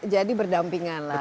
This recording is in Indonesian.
jadi berdampingan lah